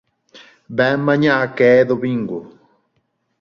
Vén mañá, que é domingo.